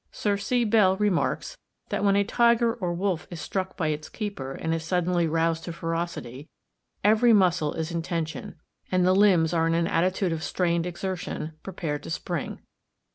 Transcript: Sir C. Bell remarks that, when a tiger or wolf is struck by its keeper and is suddenly roused to ferocity, every muscle is in tension, and the limbs are in an attitude of strained exertion, prepared to spring.